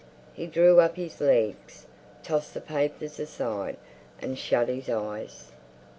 He drew up his legs, tossed the papers aside, and shut his eyes.